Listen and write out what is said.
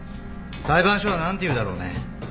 裁判所は何て言うだろうね。